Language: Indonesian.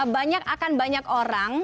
banyak akan banyak orang